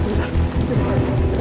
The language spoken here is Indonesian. gak ada apa apa